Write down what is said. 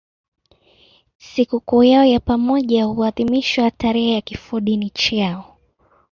Sikukuu yao ya pamoja huadhimishwa tarehe ya kifodini chao.